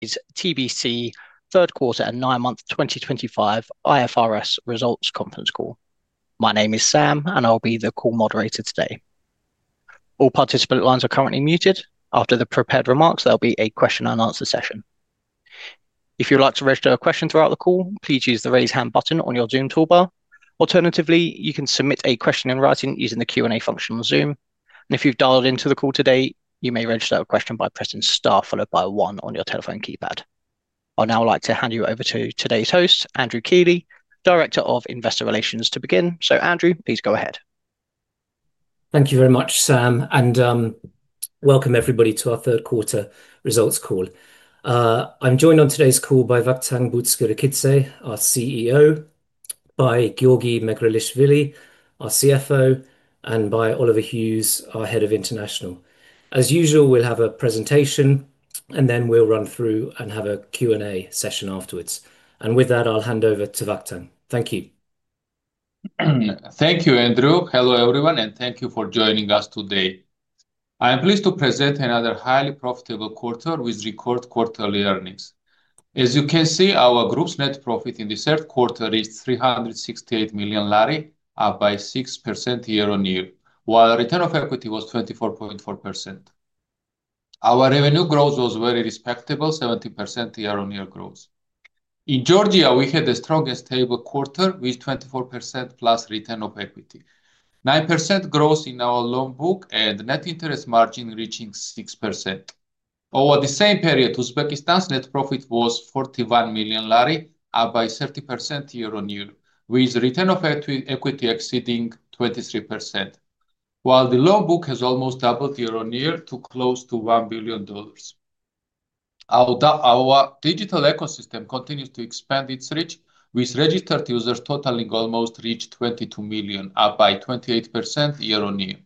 IS TBC third quarter and nine month 2025 IFRS results conference call My name is Sam and I'll be the call moderator today. All participant lines are currently muted. After the prepared remarks, there'll be a question and answer session. If you'd like to register a question throughout the call, please use the Raise Hand button on your Zoom toolbar. Alternatively, you can submit a question in writing using the Q and A function on Zoom. And if you've dialed into the call today, you may register a question by pressing star followed by one on your telephone keypad. I'll now like to hand you over to today's host, Andrew Keeley, Director of Investor Relations to begin. So Andrew, please go ahead. Thank you very much Sam and welcome everybody to our third quarter results call. I'm joined on today's call by Vakhtang Butskhrikidze our CEO, by Giorgi Megrelishvili, our CFO, and by Oliver Hughes, our Head of International. As usual, we'll have a presentation and then we'll run through and have a Q and A session afterwards. And with that I'll hand over to Vakhtang. Thank you. Thank you Andrew hello everyone and thank you for joining us today. I am pleased to present another highly profitable quarter with record quarterly earnings. As you can see, our group's net profit in the third quarter is 368 million GEL up by 6% year on year while return of equity was 24.4%. Our revenue growth was very respectable 70% year on year growth. In Georgia we had the strongest stable quarter with 24% plus return of equity, 9% growth in our loan book and net interest margin reaching 6% over the same period. Uzbekistan's net profit was 41 million GEL are by 30% year on year with return of equity exceeding 23%. While the loan book has almost doubled year on year to close to S1 billion. Our digital ecosystem continues to expand its reach with registered users totaling almost reached 22 million up by 28% year on year.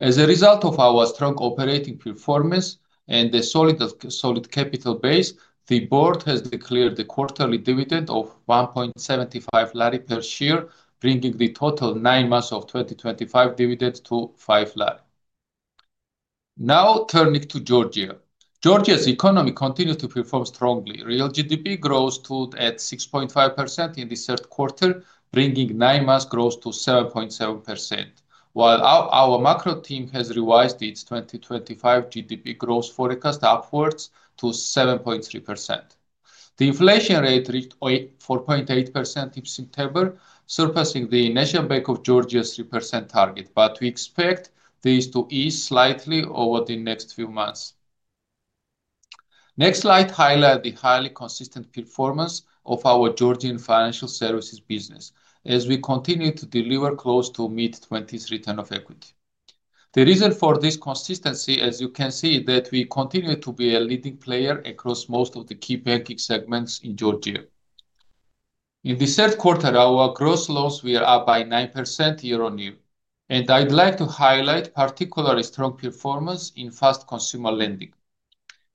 As a result of our strong operating performance and the solid capital base, the board has declared a quarterly dividend of 1.75 GEL per share, bringing the total nine months of 2025 dividend to 5 GEL. Now turning to Georgia, Georgia's economy continues to perform strongly. Real GDP growth stood at 6.5% in the third quarter, bringing nine months growth to 7.7%. While our macro team has revised its 2025 GDP growth forecast upwards to 7.3%. The inflation rate reached 4.8% in September surpassing the National Bank of Georgia's 3% target, but we expect these to ease slightly over the next few months. Next slide highlights the highly consistent performance of our Georgian financial services business as we continue to deliver close to mid-20s return of equity. The reason for this consistency as you can see that we continue to be a leading player across most of the key banking segments in Georgia. In the third quarter our gross loans were up by 9% year on year and I'd like to highlight particularly strong performance in fast consumer lending,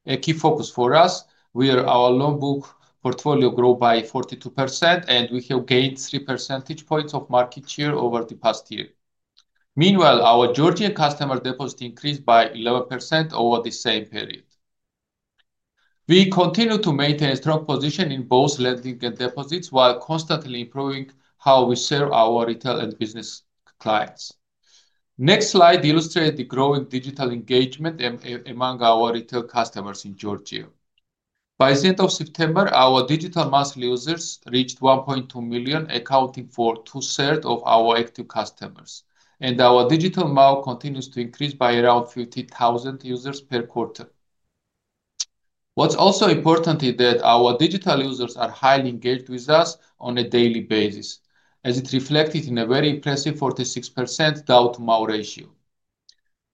a key focus for us, where our loan book portfolio grow by 42% and we have gained 3 percentage points of market share over the past year. Meanwhile, our Georgian customer deposit increased by 11% over the same period. We continue to maintain a strong position in both lending and deposits while constantly improving how we serve our retail and business clients. Next slide illustrates the growing digital engagement among our retail customers in Georgia. By the end of September, our digital monthly users reached 1.2 million, accounting for two thirds of our active customers and our digital MAU continues to increase by around 50,000 users per quarter. What's also important is that our digital users are highly engaged with us on a daily basis as it reflected in a very impressive 46% DAU/MAU ratio.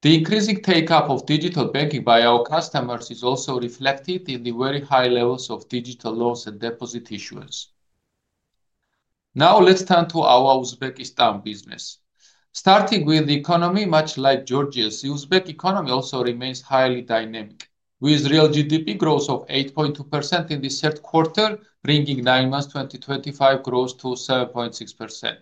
The increasing take up of digital banking by our customers is also reflected in the very high levels of digital loss and deposit issuance. Now let's turn to our Uzbekistan business. Starting with the economy, much like Georgia's Uzbek economy, also remains highly dynamic with real GDP growth of 8.2% in the third quarter bringing nine months 2025 growth to 7.6%.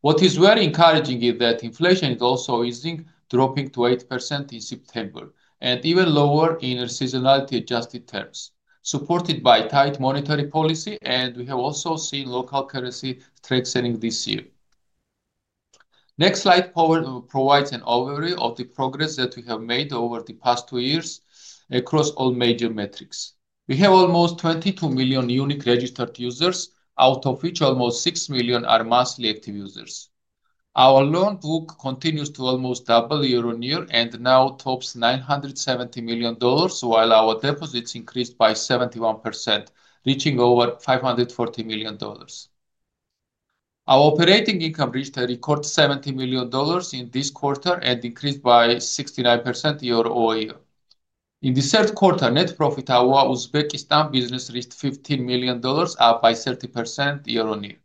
What is very encouraging is that inflation is also easing, dropping to 8% in September and even lower in seasonality adjusted terms supported by tight monetary policy. And we have also seen local currency strengthening this year. Next slide provides an overview of the progress that we have made over the past two years across all major metrics. We have almost 22 million unique registered users out of which almost 6 million are massive active users. Our loan book continues to almost double year on year and now tops $970 million while our deposits increased by 71%, reaching over $540 million. Our operating income reached a record $70 million in this quarter and increased by 69% year-over-year. In the third quarter net profit our Uzbekistan business reached $15 million, up by 30% year on year.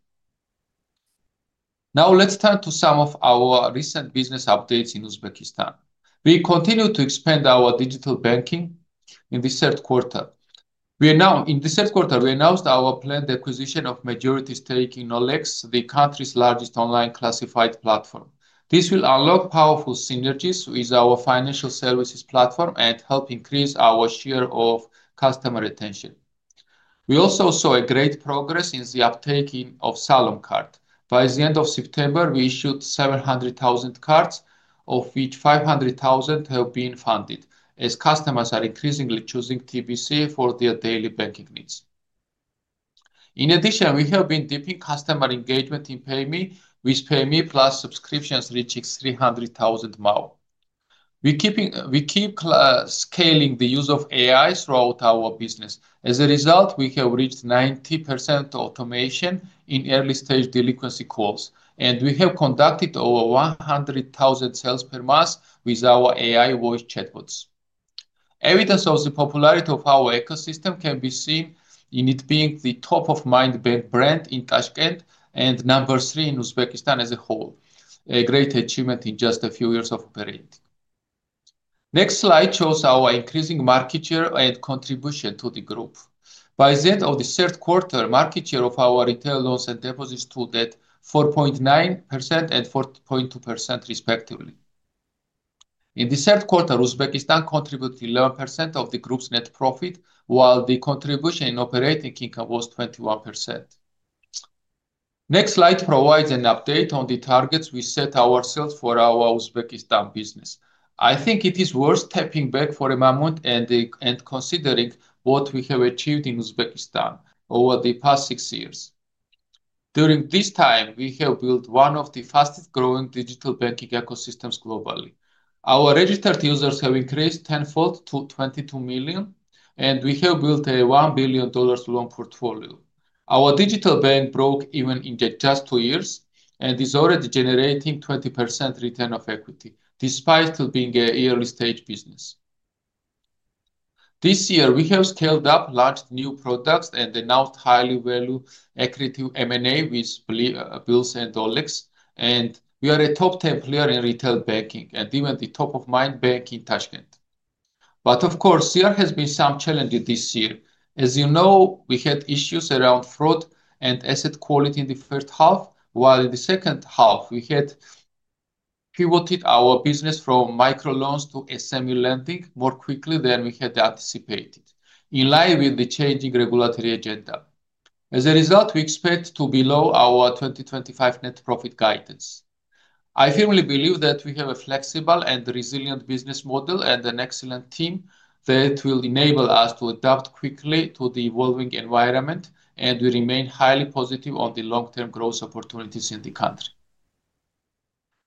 Now let's turn to some of our recent business updates. In Uzbekistan we continue to expand our digital banking in the third quarter. In the third quarter we announced our planned acquisition of Majority Staking Nolex, the country's largest online classified platform. This will unlock powerful synergies with our financial services platform and help increase our share of customer retention. We also saw a great progress in the uptake of Salon Card. By the end of September we issued 700,000 cards of which 500,000 have been funded as customers are increasingly choosing TBC for their daily banking needs. In addition, we have been dipping customer engagement in Payme with Payme plus subscriptions reaching 300,000. Maui we keep scaling the use of AI throughout our business. As a result, we have reached 90% automation in early stage delinquency calls and we have conducted over 100,000 sales per month with our AI voice chatbots. Evidence of the popularity of our ecosystem can be seen in it being the top of Mind brand in Tashkent and number three in Uzbekistan as a whole. A great achievement in just a few years of operating. Next slide shows our increasing market share and contribution to the group by the end of the third quarter. Market share of our retail loans and deposits to debt 4.9% and 4.2% respectively. In the third quarter Uzbekistan contributed 11% of the group's net profit while the contribution in operating income was 21%. Next slide provides an update on the targets we set ourselves for our Uzbekistan business. I think it is worth stepping back for a moment and considering what we have achieved in Uzbekistan over the past six years. During this time we have built one of the fastest growing digital banking ecosystems globally. Our registered users have increased tenfold to 22 million and we have built a $1 billion loan portfolio. Our digital bank broke even in just two years and is already generating 20% return of equity despite being a yearly stage business. This year we have scaled up, launched new products and announced highly value accretive M&A with Bills and OLX and we are a top 10 player in retail banking and even the top of Mind bank in Tashkent. But of course there has been some challenges this year. As you know we had issues around fraud and asset quality in the first half while in the second half we had pivoted our business from micro loans to SME lending more quickly than we had anticipated in line with the changing regulatory agenda. As a result, we expect to be below our 2025 net profit guidance. I firmly believe that we have a flexible and resilient business model and an excellent team that will enable us to adapt quickly to the evolving environment and we remain highly positive on the long term growth opportunities in the country.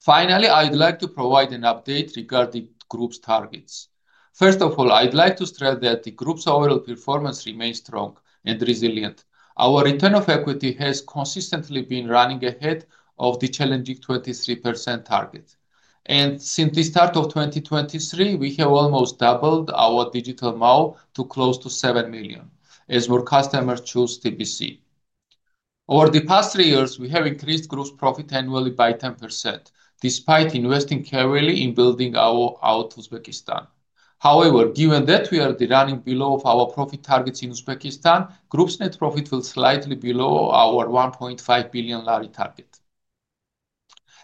Finally, I'd like to provide an update regarding group's targets. First of all, I'd like to stress that the group's overall performance remains strong and resilient. Our return of equity has consistently been running ahead of the challenging 23% target and since the start of 2023 we have almost doubled our digital MAU to close to 7 million as more customers choose TPC. Over the past three years we have increased gross profit annually by 10% despite investing carefully in building out Uzbekistan. However, given that we are running below our profit targets in Uzbekistan, Group's net profit will slightly below our 1.5 billion GEL target.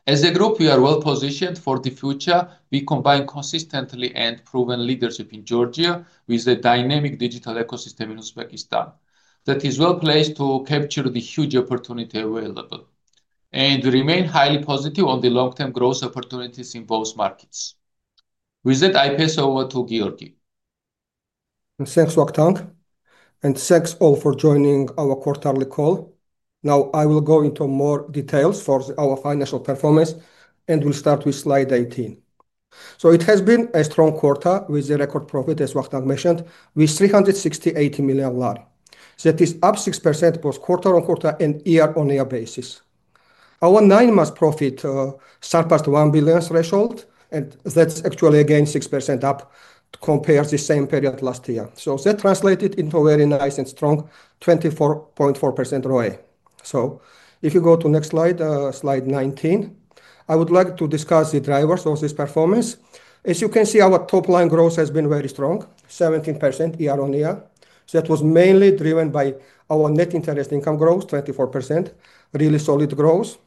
As a group we are well positioned for the future. We combine consistently and proven leadership in Georgia with a dynamic digital ecosystem in Uzbekistan that is well placed to capture the huge opportunity available and remain highly positive on the long term growth opportunities in both markets. With that I pass over to Giorgi. Thanks Vakhtang and thanks all for joining our quarterly call. Now I will go into more details for our financial performance and we'll start with slide 18. So it has been a strong quarter with the record profit as Vakhtang mentioned with 368 million lar. That is up 6% both quarter on quarter and year. On year basis our nine months profit surpassed 1 billion threshold and that's actually again 6% up compared the same period last year. So that translated into a very nice and strong 24.4% ROI. So if you go to next slide slide 19 I would like to discuss the drivers of this performance. As you can see our top line growth has been very strong 17% year on year. That was mainly driven by our net interest income growth 24% really solid growth.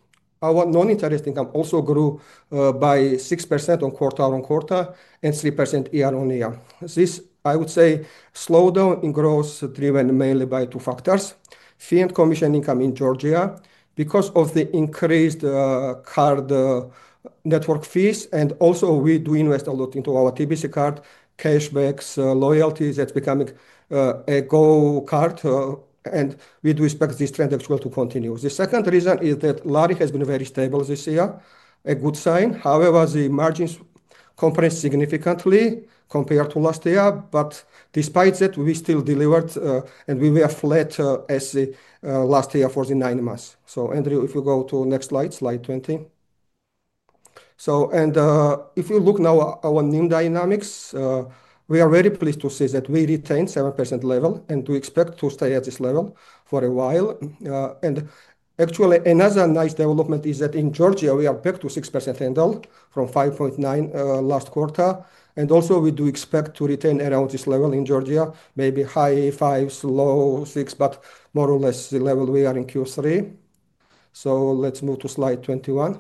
Our non interest income also grew by 6% on quarter on quarter and 3% year on year. This I would say slowdown in growth driven mainly by two factors fee and commission income in Georgia because of the increased card network fees and also we do invest a lot into our TBC card cashbacks loyalties. That's becoming a go card and we do expect this trend as well to continue. The second reason is that GEL has been very stable this year, a good sign. However the margins compressed significantly compared to last year but despite that we still delivered and we were flat as last year for the nine months. So Andrew if you go to next slide slide 20 so and if you look now our NIM dynamics we are very pleased to see that we retained 7% level and we expect to stay at this level for a while. And actually another nice development is that in Georgia we are back to 6% handle from 5.9 last quarter. And also we do expect to retain around this level in Georgia. Maybe high 5, low 6, but more or less the level we are in Q3. So let's move to Slide 21.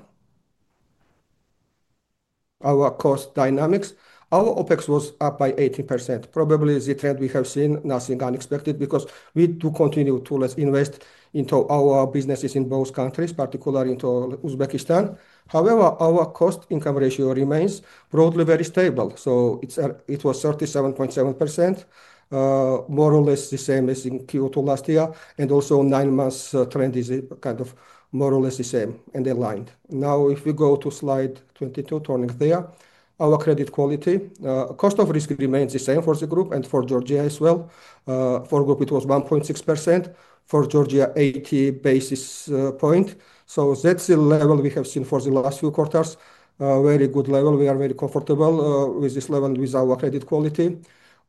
Our cost dynamics, our OpEx was up by 18%. Probably the trend we have seen nothing unexpected because we do continue to invest into our businesses in both countries, particularly into Uzbekistan. However, our cost income ratio remains broadly very stable. So it was 37.7% more or less the same as in Q2 last year and also 9 months trend is kind of more or less the same and aligned. Now if we go to slide 22 turning there, our credit quality cost of risk remains the same for the group and for Georgia as well. For group it was 1.6% for Georgia 80 basis point. So that's the level we have seen for the last few quarters. Very good level. We are very comfortable with this level with our credit quality.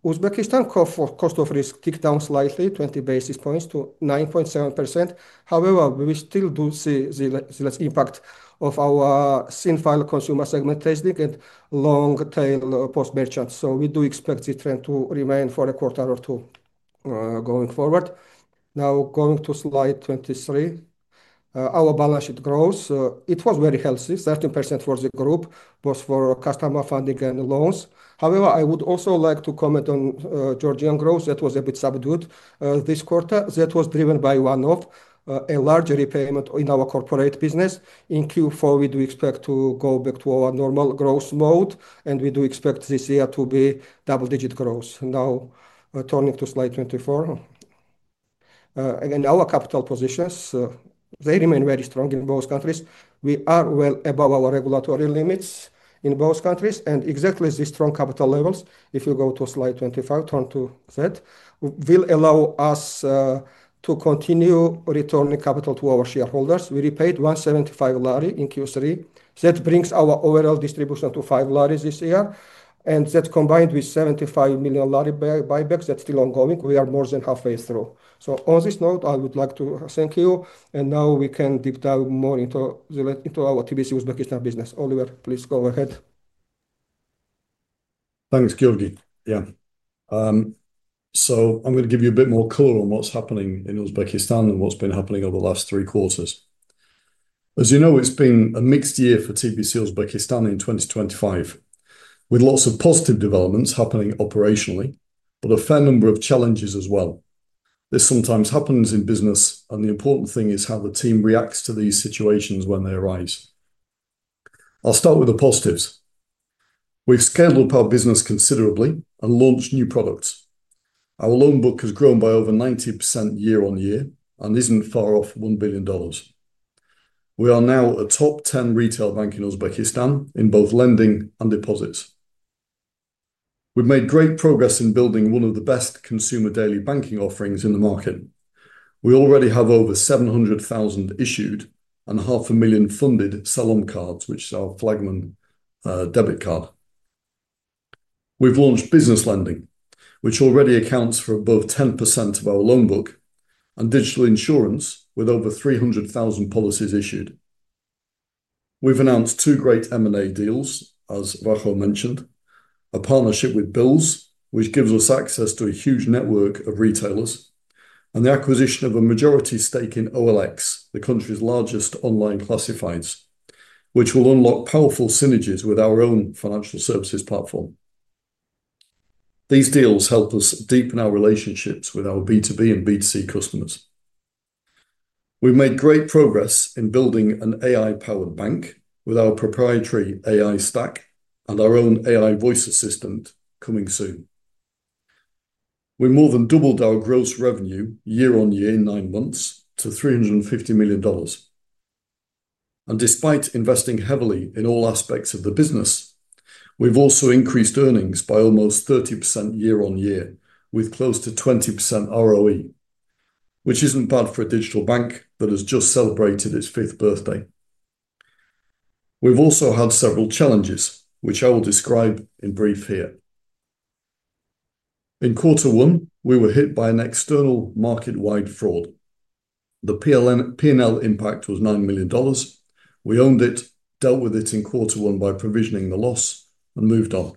Uzbekistan cost of risk ticked down slightly 20 basis points to 9.7%. However, we still do see the less impact of our sin file, consumer segment testing and long tail post merchants. So we do expect this trend to remain for a quarter or two going forward. Now going to Slide 23, our balance sheet grows. It was very healthy. 13% for the group was for customer funding and loans. However, I would also like to comment on Georgian growth that was a bit subdued this quarter. That was driven by one of a larger repayment in our corporate business. In Q4 we do expect to go back to our normal growth mode and we do expect this year to be double digit growth. Now turning to slide 24 and our capital positions, they remain very strong in both countries. We are well above our regulatory limits in both countries. And exactly these strong capital levels, if you go to slide 25 turn to that will allow us to continue returning capital to our shareholders. We repaid 175 GEL in Q3. That brings our overall distribution to 5 GEL this year and that's combined with 75 million GEL buybacks that's still ongoing. We are more than halfway through. So on this note I would like to thank you and now we can deep dive more into our TBC Uzbekistan business. Oliver, please go ahead. Thanks Giorgi. Yeah. So I'm going to give you a bit more color on what's happening in Uzbekistan and what's been happening over the last three quarters. As you know, it's been a mixed year for TBC Uzbekistan in 2025 with lots of positive developments happening operationally, but a fair number of challenges as well. This sometimes happens in business and the important thing is how the team reacts to these situations when they arise. I'll start with the positives. We've scaled up our business considerably and launched new products. Our loan book has grown by over 90% year on year and isn't far off $1 billion. We are now a top 10 retail bank in Uzbekistan in both lending and deposits. We've made great progress in building one of the best consumer daily banking offerings in the market. We already have over 700,000 issued and half a million funded Salon Cards which is our Flagman debit card. We've launched Business Lending, which already accounts for above 10% of our loan book and digital insurance with over 300,000 policies issued. We've announced two great MA deals as Rajo mentioned, a partnership with Bills which gives us access to a huge network of retailers and the acquisition of a majority stake in OLX, the country's largest online classifieds which will unlock powerful synergies with our own financial services platform. These deals help us deepen our relationships. With our B2B and B2C customers we've made great progress in building an AI powered bank with our proprietary AI stack and our own AI voice assistant coming soon. We more than doubled our gross revenue year on year in nine months to $350 million. And despite investing heavily in all aspects of the business, we've also increased earnings by almost 30% year on year with close to 20% ROE which isn't bad for a digital bank that has just celebrated its fifth birthday. We've also had several challenges which I will describe in brief here. In quarter one we were hit by an external market wide fraud. The P&l impact was $9 million. We owned it, dealt with it in quarter one by provisioning the loss and moved on.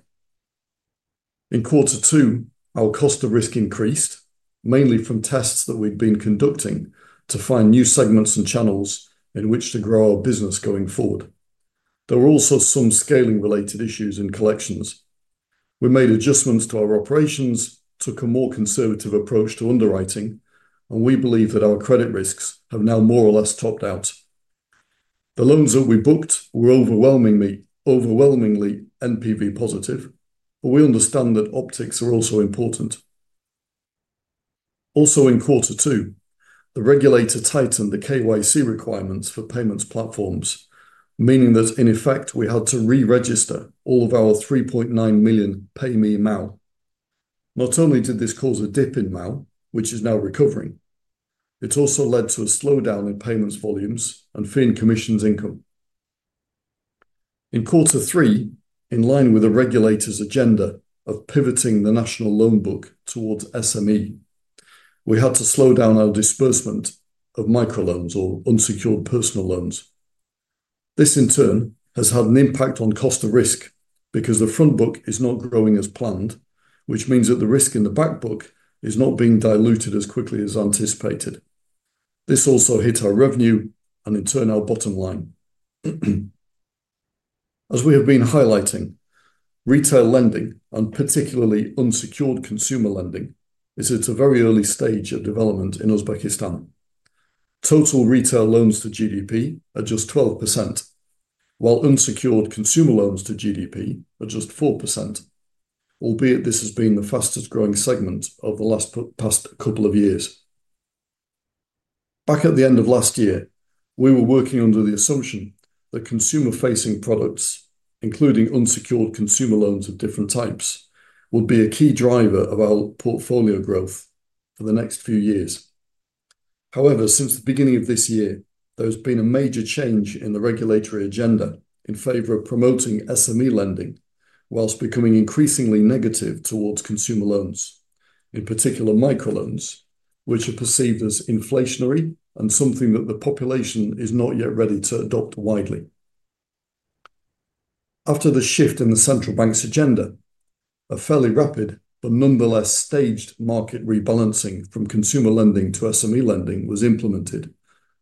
In quarter two our cost of risk increased, mainly from tests that we'd been conducting to find new segments and channels in which to grow our business going forward. There were also some scaling related issues in collections. We made adjustments to our operations, took a more conservative approach to underwriting and we believe that our credit risks have now more or less topped out. The loans that we booked were overwhelmingly NPV positive, but we understand that optics are also important. Also in quarter two the regulator tightened the KYC requirements for payments platforms, meaning that in effect we had to re register all of our 3.9 million pay me MAU. Not only did this cause a dip in MAU which is now recovering. It also led to a slowdown in payments volumes and fee and commissions income in quarter three. In line with the regulator's agenda of pivoting the national loan book towards SME, we had to slow down our disbursement of microloans or unsecured personal loans. This in turn has had an impact on cost of risk because the front book is not growing as planned, which means that the risk in the back book is not being diluted as quickly as anticipated. This also hit our revenue and in turn our bottom line. As we have been highlighting, retail lending and particularly unsecured consumer lending is at a very early stage of development. In Uzbekistan, total retail loans to GDP are just 12% while unsecured consumer loans to GDP and just 4%, albeit this has been the fastest growing segment over the last past couple of years. Back at the end of last year we were working under the assumption that consumer facing products, including unsecured consumer loans of different types would be a key driver of our portfolio growth for the next few years. However, since the beginning of this year there has been a major change in the regulatory agenda in favour of promoting SME lending whilst becoming increasingly negative towards consumer loans, in particular microloans which are perceived as inflationary and something that the population is not yet ready to adopt widely. After the shift in the central bank's agenda, a fairly rapid but nonetheless staged market rebalancing from consumer lending to SME lending was implemented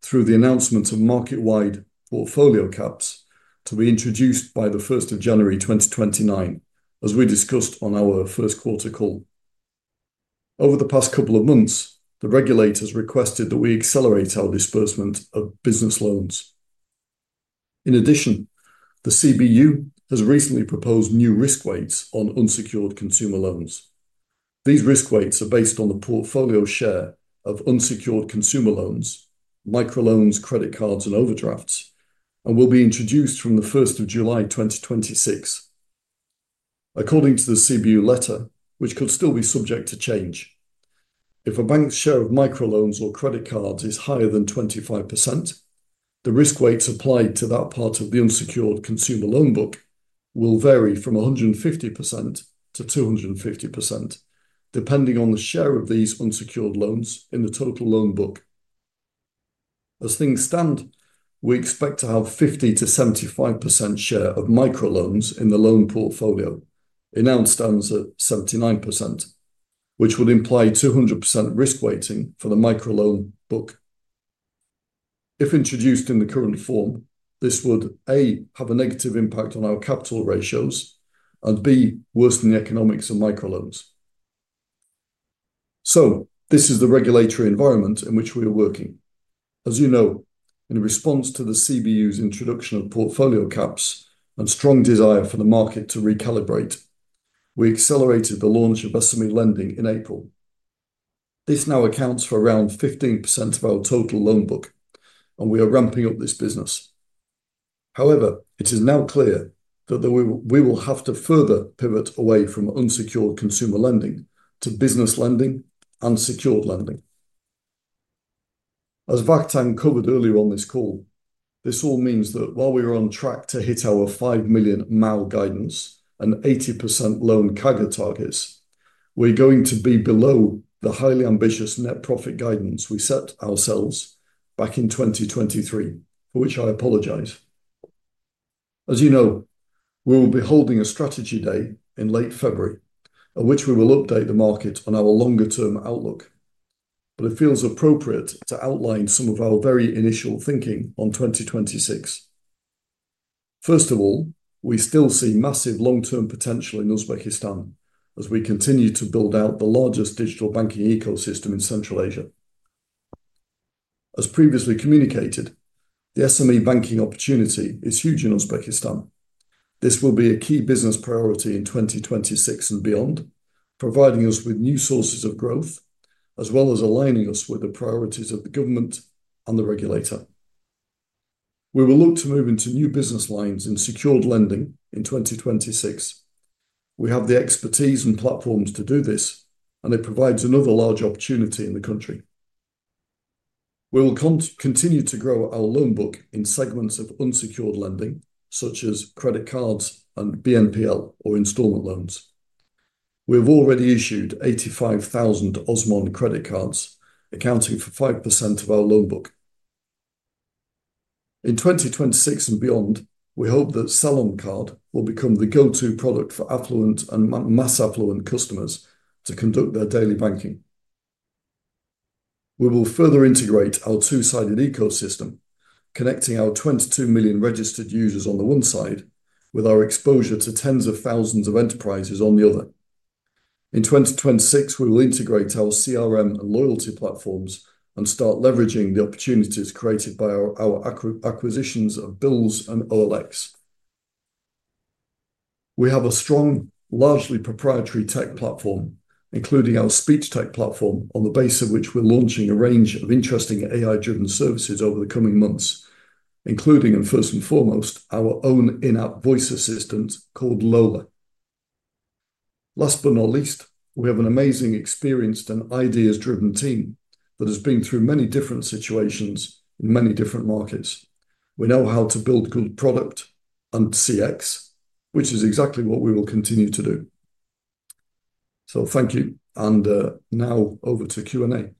through the announcement of market wide portfolio caps to be introduced by 1st January 2029 as we discussed on our first quarter call over the past couple of months the regulators requested that we accelerate our disbursement of business loans. In addition, the CBU has recently proposed new risk weights on unsecured consumer loans. These risk weights are based on the portfolio share of unsecured consumer loans, microloans, credit cards and overdrafts and will be introduced from 1st July 2026 according to the CBU letter, which could still be subject to change. If a bank's share of microloans or credit cards is higher than 25%, the risk weights applied to that part of the unsecured consumer loan book will vary from 150%-250% depending on the share of these unsecured loans in the total loan book. As things stand, we expect to have 50%-75% share of microloans in the loan portfolio. It now stands at 79% which would imply 200% risk weighting for the microloan book. If introduced in the current form, this would a have a negative impact on our capital ratios and b worse than the economics of microloans. So this is the regulatory environment in which we are working. As you know, in response to the CBU's introduction of portfolio caps and strong desire for the market to recalibrate, we accelerated the launch of SME lending in April. This now accounts for around 15% of our total loan book and we are ramping up this business. However, it is now clear that we will have to further pivot away from unsecured consumer lending to business lending and secured lending as Vakhtang covered earlier on this call. This all means that while we are on track to hit our 5 million MAU guidance and 80% loan CAGR targets, we are going to be below the highly ambitious net profit guidance we set ourselves back in 2023, for which I apologize. As you know, we will be holding a Strategy Day in late February at which we will update the market on our longer term outlook, but it feels appropriate to outline some of our very initial thinking on 2026. First of all, we still see massive long term potential in Uzbekistan as we continue to build out the largest digital banking ecosystem in Central Asia. As previously communicated, the SME banking opportunity is huge in Uzbekistan. This will be a key business priority in 2026 and beyond, providing us with new sources of growth as well as aligning us with the priorities of the government and the regulator. We will look to move into new business lines in secured lending in 2026. We have the expertise and platforms to do this and it provides another large opportunity in the country. We will continue to grow our loan. Book in segments of unsecured lending such as credit cards and BNPL or instalment loans. We have already issued 85,000 Osmond credit cards accounting for 5% of our loan book. In 2026 and beyond we hope that Salon Card will become the go to product for affluent and mass affluent customers to conduct their daily banking. We will further integrate our two sided ecosystem, connecting our 22 million registered users on the one side with our exposure to tens of thousands of enterprises on the other. In 2026 we will integrate our CRM and loyalty platforms and start leveraging the opportunities created by our acquisitions of Bills and OLX. We have a strong largely proprietary tech platform including our speech tech platform, on the base of which we're launching a range of interesting AI driven services over the coming months including and first and foremost our own in app voice assistant called Lola. Last but not least, we have an amazing, experienced and ideas driven team that has been through many different situations in many different markets. We know how to build good product and cx, which is exactly what we will continue to do. So thank you. And now over to Q and A.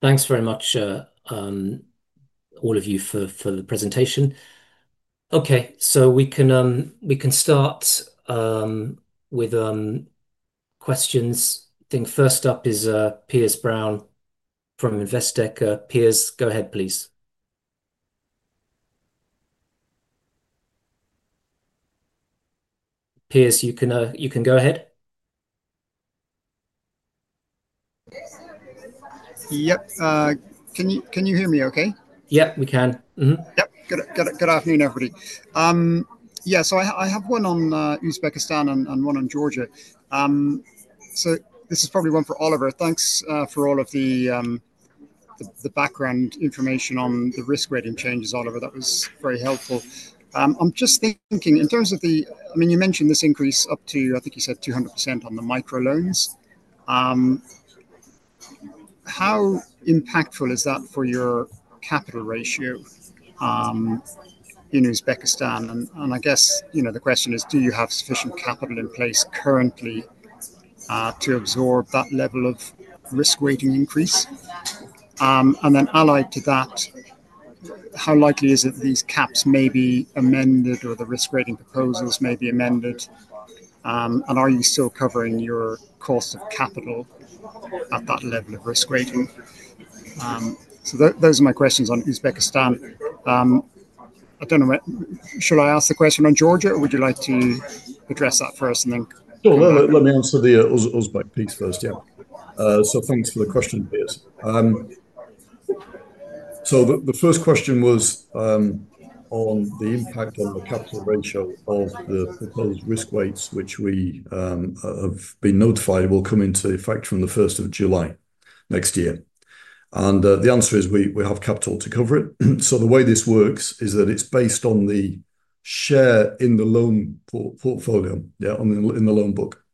Thanks very much all of you for the presentation. Okay, so we can start with questions. I think first up is Piers Brown from Investec. Piers, go ahead please. Piers, you can, you can go ahead. Yep. Can you, can you hear me okay. Yep, we can. Yep. Good afternoon, everybody. Yeah, so I have one on Uzbekistan and one on Georgia. So this is probably one for Oliver. Thanks for all of the background information on the risk rating changes. Oliver, that was very helpful. I'm just thinking in terms of the, I mean, you mentioned this increase up to, I think you said 200% on the micro loans. How impactful is that for your capital ratio in Uzbekistan? And I guess, you know, the question is, do you have sufficient capital in place currently to absorb that level of risk weighting increase and then allied to that, how likely is it these caps may be amended or the risk rating proposals may be amended and are you still covering your cost of capital at that level of risk rating? So those are my questions on Uzbekistan. I don't know. Shall I ask the question on Georgia or would you like to address that for us and then let me answer. The Uzbek piece first. Yeah, so thanks for the question, Piers. So the first question was on the impact on the capital ratio of the proposed risk weights, which we have been notified will come into effect from the 1st of July next year. And the answer is we, we have capital to cover it. So the way this works is that. It's based on the share in the loan portfolio. Yeah. In the loan book.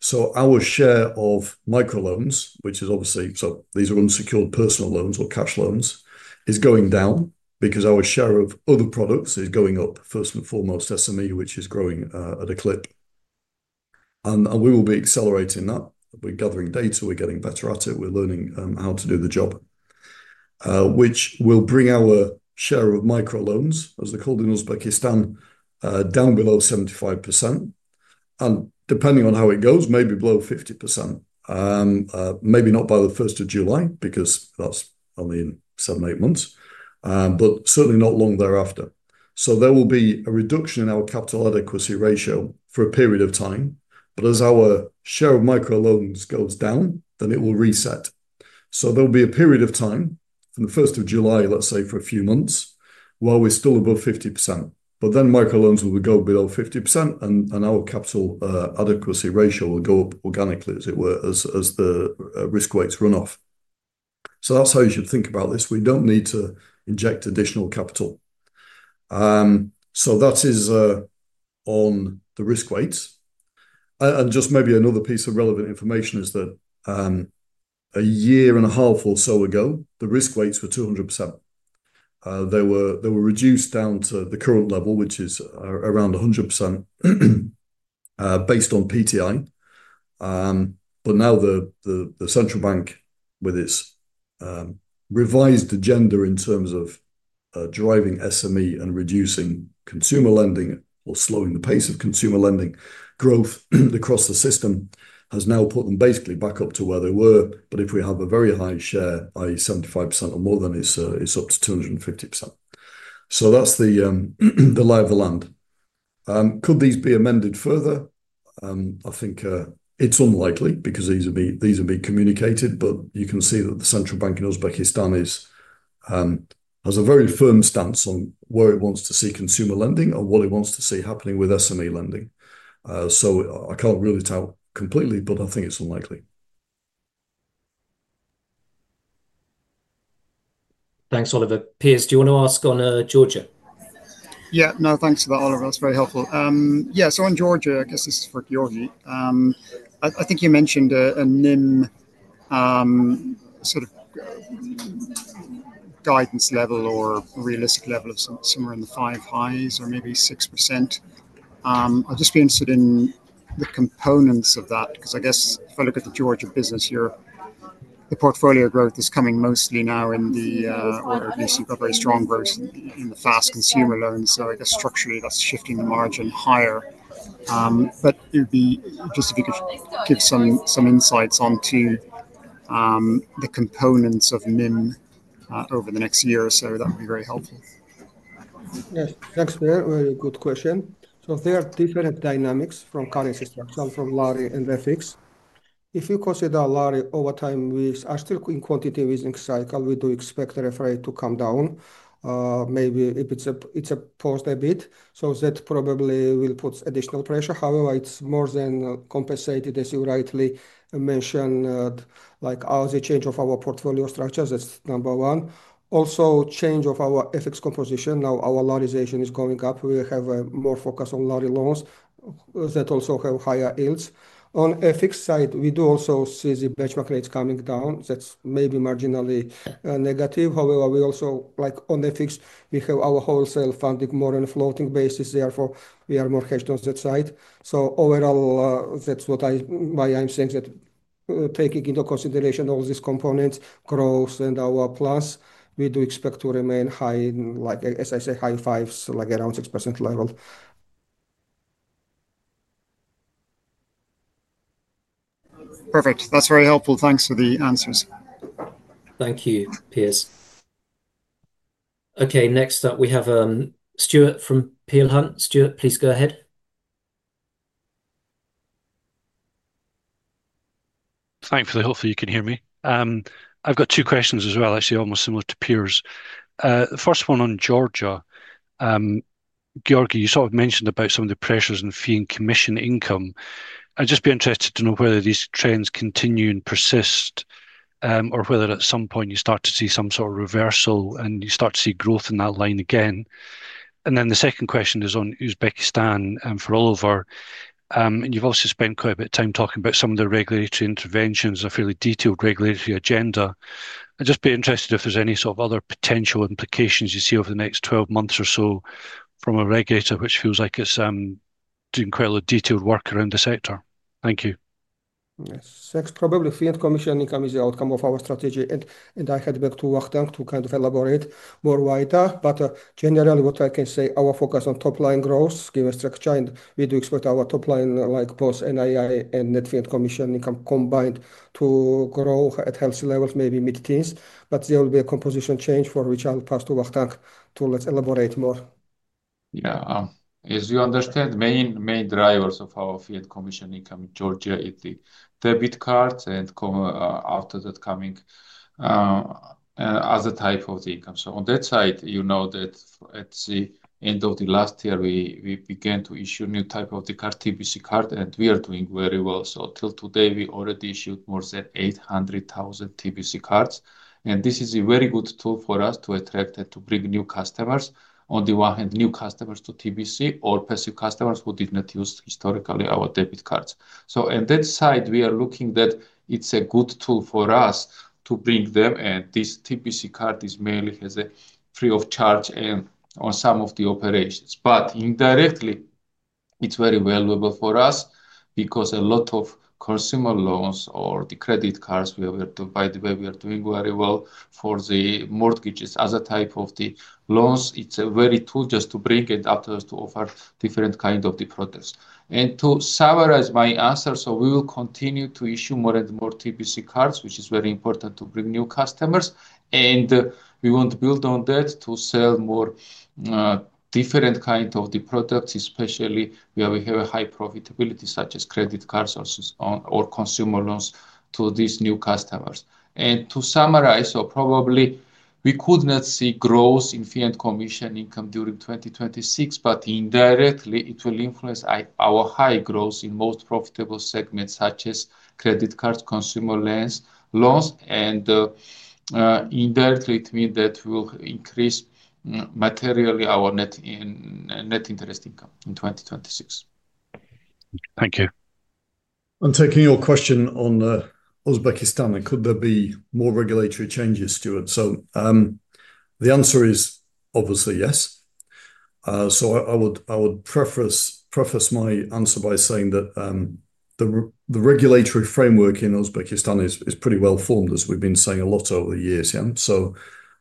So our share of micro loans, which is obviously. So these are unsecured personal loans or cash loans, is going down because our share of other products is going up first and foremost, SME, which is growing at a clip. And we will be accelerating that. We're gathering data, we're getting better at it, we're learning how to do the job, which will bring our share of micro loans, as they're called in Uzbekistan down below 75% and depending on how it goes, maybe below 50%, maybe not by the first of July, because that's only in seven, eight months, but certainly not long thereafter. So there will be a reduction in our capital adequacy ratio for a period of time, but as our share of micro loans goes down, then it will reset. So there'll be a period of time from the 1st of July, let's say for a few months while we're still above 50% but then microloans will go below 50% and our capital adequacy ratio will go up organically, as it were, as the risk weights run off. So that's how you should think about this. We don't need to inject additional capital. So that is on the risk weights. And just maybe another piece of relevant information is that a year and a half or so ago the risk weights were 200%. They were, they were reduced down to the current level which is around 100% based on PTI. But now the, the. The central bank with its revised agenda in terms of driving SME and reducing consumer lending or slowing the pace of consumer lending growth across the system has now put them basically back up to where they were. But if we have a very high share that is 75% or more than it's up to 250%. So that's the lay of the land. Could these be amended further? I think it's unlikely because these are being communicated. But you can see that the central bank in Uzbekistan is, has a very firm stance on where it wants to see consumer lending or what it wants to see happening with SME lending. So I can't rule it out completely but I think it's unlikely. Thanks, Oliver. Piers, do you want to ask on Georgia? Yeah, no, thanks for that Oliver. That's very helpful. Yeah, so in Georgia I guess this is Giorgi, I think you mentioned a NIM sort of guidance level or realistic level of somewhere in the 5 highs or maybe 6%. I'll just be interested in the components of that because I guess if I look at the Georgia business here, the portfolio growth is coming mostly now in the order you've got very strong version in the fast consumer level. And so I guess structurally that's shifting the margin higher. But it would be just if you could give some, some insights onto the components of NIM over the next year or so that would be very helpful. Yes, thanks for a good question. So there are different dynamics from currency structure from GEL and fx. If you consider GEL over time with astral quantity within cycle we do expect the refra to come down maybe if it's a, it's a post a bit so that probably will put additional pressure. However, it's more than compensated as you rightly mentioned, like Aussie change of our portfolio structures, that's number one. Also change of our FX composition now our laryzation is going up. We have a More focus on lottery loans that also have higher yields on a FX side we do also see the benchmark rates coming down. That's maybe marginally negative. However, we also like on the fix we have our wholesale funding more on a floating basis. Therefore we are more hedged on that side. So overall that's what I why I'm saying that taking into consideration all these components growth and our plus we do expect to remain high like as I say high fives like around 6% level. Perfect. That's very helpful. Thanks for the answers. Thank you Piers. Okay, next up we have Stuart from Peel Hunt. Stuart, please go ahead. Thankfully hopefully you can hear me. I've got two questions as well actually almost similar to Piers. The first one on Georgia. Giorgi, you sort of mentioned about some of the pressures in fee and commission income. I'd just be interested to know whether these trends continue and persist or whether at some point you start to see some sort of reversal and you start to see growth in that line again. And then the second question is on Uzbekistan and for all of our you've also spent quite a bit of time talking about some of the regulatory interventions, a fairly detailed regulatory agenda. I'd just be interested if there's any sort of other potential implications you see over the next 12 months or so a regulator which feels like it's doing quite a lot of detailed work around the sector. Thank you. Thanks. Probably Fiat Commission income is the outcome of our strategy and I head back to Wachtank to kind of elaborate more wider but generally what I can say our focus on top line growth given structure and we do expect our top line like both NII and Netflix Commission income combined to grow at healthy levels maybe mid teens. But there will be a composition change for which I'll pass to waking up. So let's elaborate more. Yeah as you understand main drivers of our Fiat Commission income in Georgia is the debit cards and after that coming as a type of the income. So on that side you know that at the end of the last year we began to issue new type of the card TBC card and we are doing very well. So till today we already issued more than 800,000 TBC cards and this is a very good tool for us to attract and to bring new customers on the one hand new customers to TBC or passive customers who did not use historically our debit cards. So on that side we are looking that it's a good tool for us to bring them and this TBC card is mainly free of charge and on some of the operations. But indirectly it's very valuable for us because a lot of consumer loans or the credit cards, by the way, we are doing very well for the mortgages as a type of the loans. It's a very tool just to bring adapters to offer different kind of the products. And to summarize my answer, so we will continue to issue more and more TBC cards, which is very important to bring new customers and we want to build on that to sell more different kind of the products, especially where we have a high profitability such as credit cards or consumer loans to these new customers. And to summarize, so probably we could not see growth in fiat commission income during 2026. But indirectly it will influence our high growth in most profitable segments such as credit cards, consumer loans. And indirectly it means that will increase materially our net in net interest income in 2026. Thank you. And taking your question on Uzbekistan, could there be more regulatory changes Stuart? So the answer is obviously yes. So I would preface my answer by saying that the regulatory framework in Uzbekistan is pretty well formed as we've been saying a lot over the years. So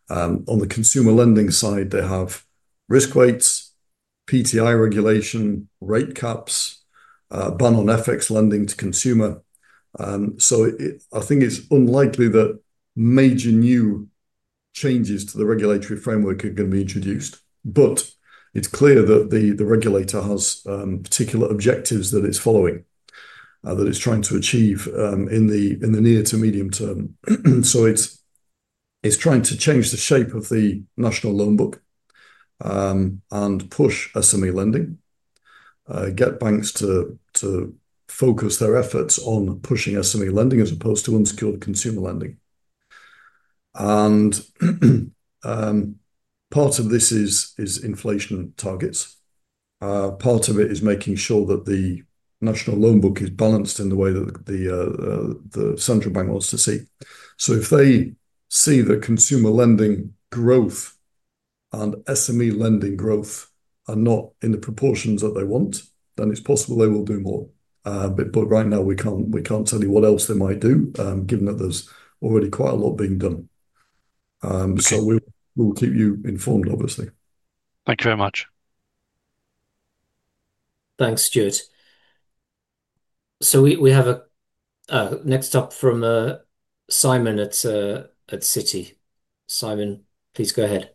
on the consumer lending side, they have risk weights, PTI regulation, rate caps, ban on FX lending to consumer. So I think it's unlikely that major new changes to the regulatory framework are going to be introduced. But it's clear that the regulator has particular objectives that it's following, that it's trying to achieve in the near to medium term. So it's is trying to change the shape of the national loan book and push SME lending, get banks to focus their efforts on pushing SME lending as opposed to unsecured consumer lending. And part of this is inflation targets. Part of it is making sure that the national loan book is balanced in the way that the central bank wants to see. So if they see that consumer lending growth and SME lending growth are not in the proportions that they want, then. It's possible they will do more but right now we can't tell you what else they might do given that there's already quite a lot being done. So we'll keep you informed obviously. Thank you very much. Thanks Stuart. So we, we have a next up from Simon at, at Citi. Simon, please go ahead.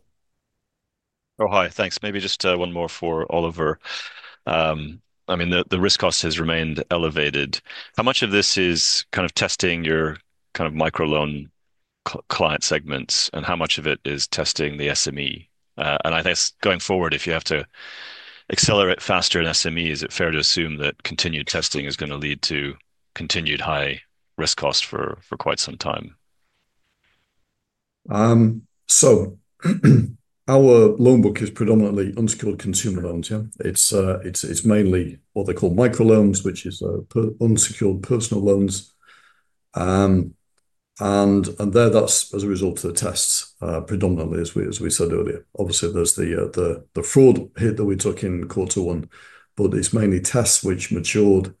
Oh, hi, thanks. Maybe just one more for Oliver. I mean the, the risk cost has remained elevated. How much of this is kind of testing your kind of micro loan client segments and how much of it is testing the SME? And I guess going forward, if you have to accelerate faster in SME, is it Fair to assume that continued testing is going to lead to continued high risk cost for quite some time. So our loan book is predominantly unsecured consumer loans. It's mainly what they call micro loans, which is unsecured personal loans. And there that's as a result of the tests predominantly, as we said earlier, obviously there's the fraud hit that we took in quarter one, but it's mainly tests which matured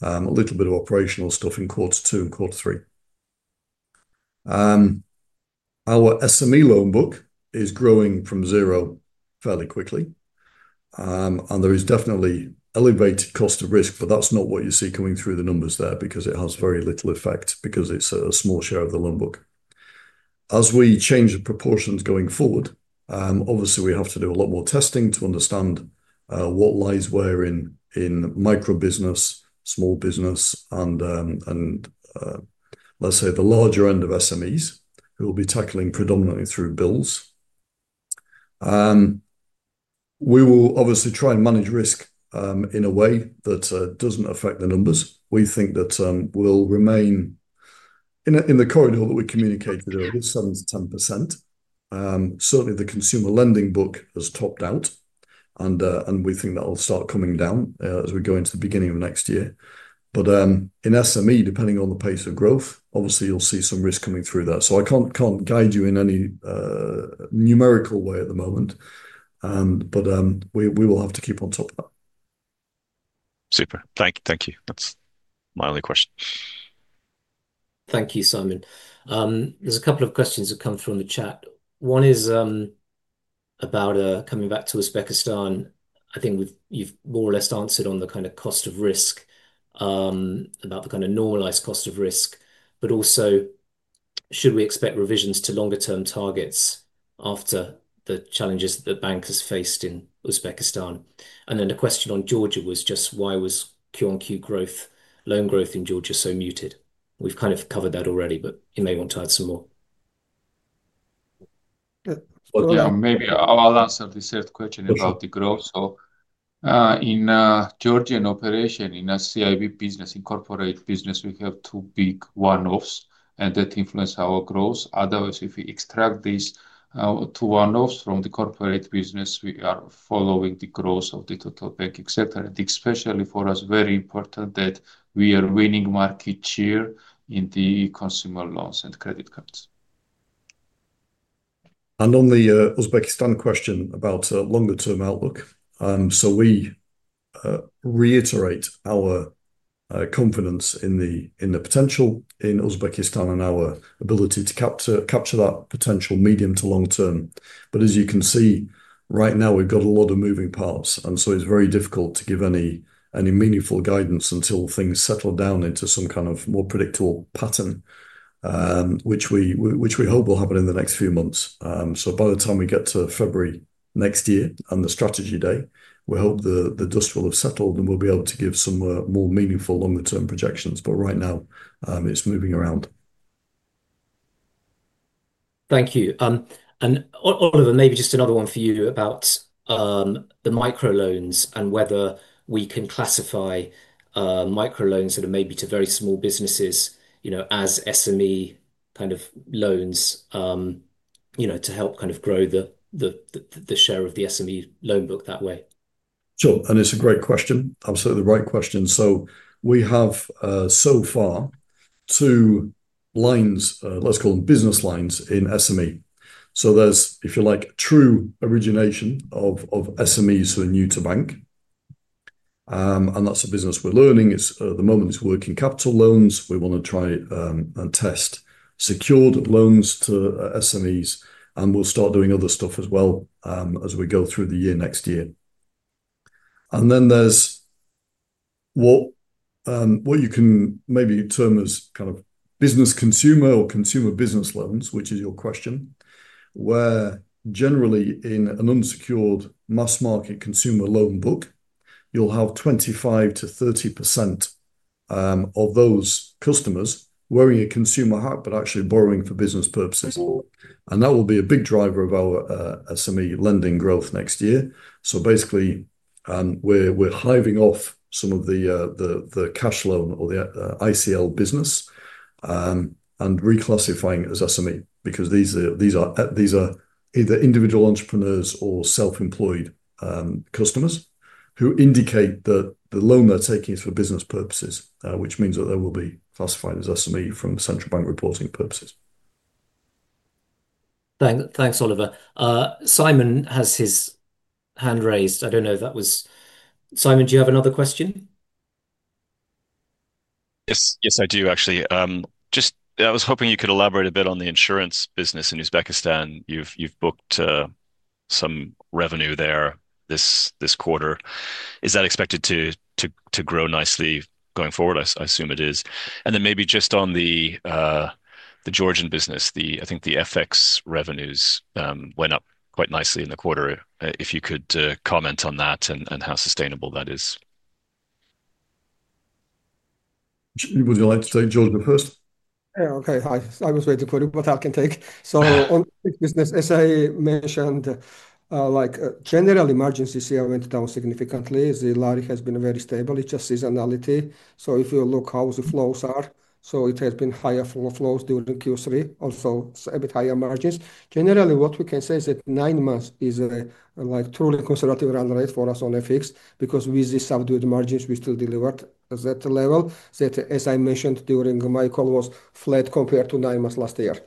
a little bit of operational stuff in quarter two and quarter three. Our SME loan book is growing from zero fairly quickly and there is definitely elevated cost of risk. But that's not what you see coming through the numbers there because it has very little effect because it's a small share of the loan book. As we change the proportions going forward. Obviously we have to do a lot more testing to understand what lies where in micro business, small business and let's say the larger end of SMEs who will be tackling predominantly through bills. We will obviously try and manage risk in a way that doesn't affect the numbers. We think that we'll remain in the corridor that we communicated earlier, 7%-10%. Certainly the consumer lending book has topped out and we think that will start coming down as we go into the beginning of next year. But in SME, depending on the pace of growth, obviously you'll see some risk coming through that. So I can't guide you in any numerical way at the moment, but we will have to keep on top of that. Super, thank you. Thank you. That's my only question. Thank you. Simon. There's a couple of questions that come through on the chat. One is about coming back to Uzbekistan. I think we've, you've more or less answered on the kind of cost of risk, about the kind of normalized cost of risk, but also should we expect revisions to longer term targets after the challenges that the bank has faced in Uzbekistan? And then the question on Georgia was just why was Q on Q growth, loan growth in Georgia so muted? We've kind of covered that already, but you may want to add some more. Yeah, maybe I'll answer the third question about the growth. So in Georgian operation, in a CIB business, incorporated business, we have two big one offs and that influence our growth. Otherwise if we extract these two one offs from the corporate business, we are following the growth of the total banking sector and especially for us, very important that we are winning market share in the consumer loans and credit cards. And on the Uzbekistan question about longer term outlook. So we reiterate our confidence in the, in the potential in Uzbekistan and our ability to capture that potential medium to long term. But as you can see rather than right now, we've got a lot of moving parts and so it's very difficult to give any meaningful guidance until things settle down into some kind of more predictable pattern which we hope will happen in the next few months. So by the time we get to February next year and the strategy Day, we hope the dust will have settled and we'll be able to give some more meaningful longer term projections. But right now it's moving around. Thank you. And Oliver, maybe just another one for you about the micro loans and whether we can classify micro loans that are maybe to very small businesses, you know, as SME kind of loans, you know, to help kind of grow the share of the SME loan book that way. Sure and it's a great question. Absolutely the right question. So we have so far to lines let's call them business lines in SME. So there's if you like, true origination of SMEs who are new to bank and that's the business we're learning at the moment. It's working capital loans. We want to try and test secured loans to SMEs and we'll start doing other stuff as well as we go through the year next year. And then there's what you can maybe term as kind of business consumer or consumer business loans, which is your question, where generally in an unsecured mass market consumer loan book, you'll have 25%-30% of those customers wearing a consumer hat, but actually borrowing for business purposes. And that will be a big driver of our SME lending growth next year. So basically, and we're hiving off some of the cash loan or the ICL business and reclassifying as SME. Because these are either individual entrepreneurs or self employed customers who indicate that the loan they're taking is for business purposes, which means that they will be classified as SME from central bank reporting purposes. Thanks, Oliver. Simon has his hand raised. I don't know if that was. Simon, do you have another question? Yes, yes, I do actually. Just I was hoping you could elaborate a bit on the insurance business in Uzbekistan. You've, you've booked some revenue there this, this quarter. Is that expected to, to, to grow nicely going forward? I assume it is. And then maybe just on the, the Georgian business, the, I think the FX revenues went up quite nicely in the quarter. If you could comment on that and, and how sustainable that is. Would you like to take Giorgi first? Yeah. Okay. Hi, I was waiting for you, but I can take so on business. As I mentioned, like general emergency went down significantly. The GEL has been very stable. It's just seasonality. So if you look how the flows are. So it has been higher flow flows during Q3, also a bit higher margins. Generally what we can say is that nine months is a like truly conservative run rate for us on FX because with the subdued margins we still delivered that level that as I mentioned during my call was flat compared to nine months last year.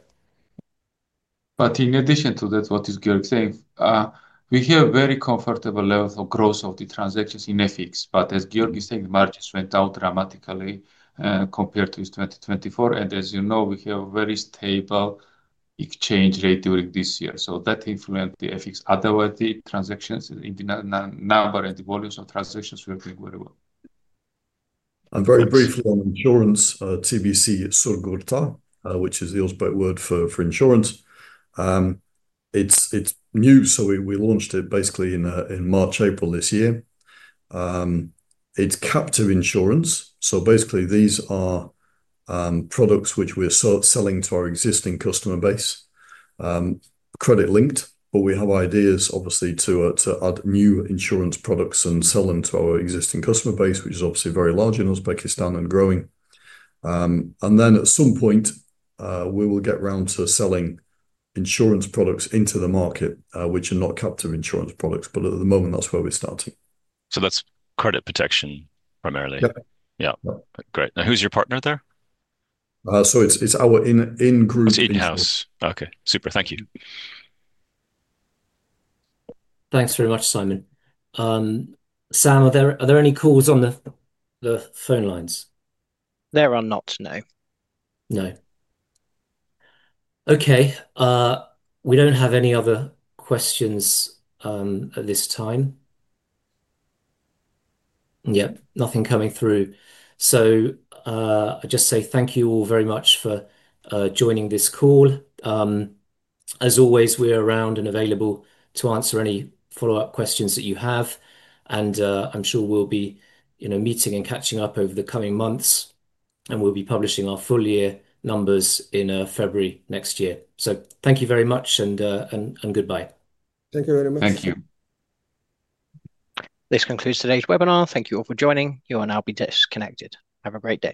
But in addition to that, what is Giorgi saying? We have very comfortable level of growth of the transactions in FX but as Georgi said, the margins went down dramatically compared to 2024. And as you know we have very stable exchange rate during this year. So that influenced the FX. Otherwise the transactions in the number and the volumes of transactions were doing very well. I'm very briefly on insurance. TBC Sug'urta, which is the ultimate word for insurance. It's new, so we launched it basically in March, April this year. It's captive insurance. So basically these are products which we're selling to our existing customer base, Credit linked, but we have ideas obviously to add new insurance products and sell them to our existing customer base which is obviously very large in Uzbekistan and growing. And then at some point we will get round to selling insurance products into the market which are not captive insurance products. But at the moment that's where we're starting. So that's credit protection primarily. Yeah. Great. Now who's your partner there? So it's, it's our in. In group house. Okay, super, thank you. Thanks very much. Simon, Sam, are there, are there any calls on the, the phone lines? There are not, no. No. Okay. We don't have any other questions at this time. Yep, nothing coming through. So I just say thank you all very much for joining this call. As always, we're around and available to answer any follow up questions that you have and I'm sure we'll be, you know, meeting and catching up over the coming months and we'll be publishing our full year numbers in February next year. So. So thank you very much and goodbye. Thank you very much. Thank you. This concludes today's webinar. Thank you all for joining. You will now be disconnected. Have a great day.